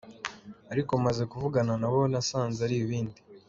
Ariko maze kuvugana nabo nasanze ari ibindi.